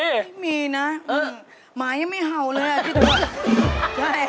ไม่มีนะหมายังไม่เห่าเลยอ่ะ